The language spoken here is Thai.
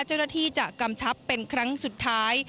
เจ้าหน้าที่จะกำชับเป็นครั้งสุดท้าย